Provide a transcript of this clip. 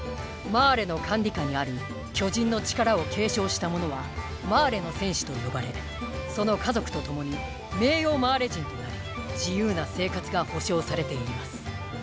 マーレの管理下にある「巨人の力」を継承した者は「マーレの戦士」と呼ばれその家族と共に「名誉マーレ人」となり自由な生活が保証されています。